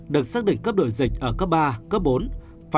được xác định cấp đổi dịch ở cấp ba cấp bốn